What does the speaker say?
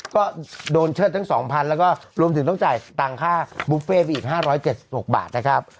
ก็โดนเชิดแต่งสองพันแล้วก็รวมถึงต้องจ่ายต่างค่าบุฟะเฟสอีกห้าร้อยเจ็ดหกบาทนะครับ